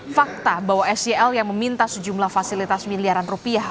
fakta bahwa sel yang meminta sejumlah fasilitas miliaran rupiah